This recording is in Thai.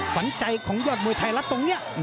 ฝันใจของยอดมวยไทยละตรงเนี่ย